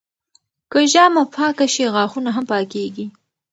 که ژامه پاکه شي، غاښونه هم پاکېږي.